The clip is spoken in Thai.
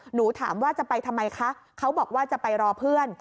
หนูถามว่าจะไปทำไมคะเขาบอกว่าจะไปรอเพื่อน